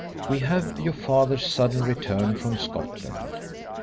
We have your father's sudden return from Scotland.